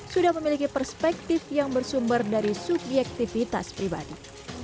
sudah memiliki perspektif yang bersumber dari subjektivitas pribadi